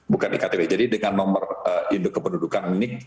bukan iktp jadi dengan nomor induk kependudukan ini dengan bentuk ktp